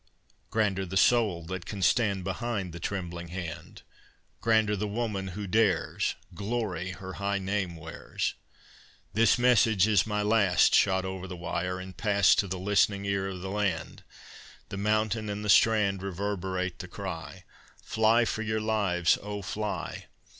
Grander the soul that can stand Behind the trembling hand; Grander the woman who dares; Glory her high name wears. "This message is my last!" Shot over the wire, and passed To the listening ear of the land. The mountain and the strand Reverberate the cry: "_Fly for your lives, oh, fly!